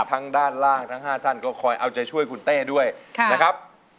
ทางด้านล่างทั้ง๕ท่านก็คอยเอาใจช่วยคุณเต้ด้วยนะครับ